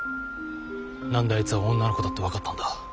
何であいつは女の子だって分かったんだ？